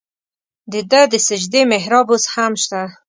د ده د سجدې محراب اوس هم شته.